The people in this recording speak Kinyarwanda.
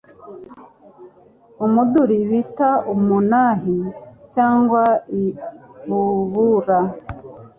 Umuduri bita Umunahi cyangwa Ibubura